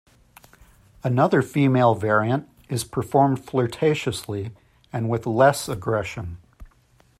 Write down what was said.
Another female variant is performed flirtatiously and with less aggression.